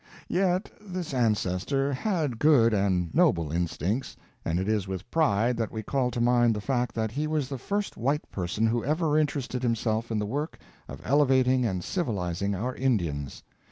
Yet this ancestor had good and noble instincts, and it is with pride that we call to mind the fact that he was the first white person who ever interested himself in the work of elevating and civilizing our Indians.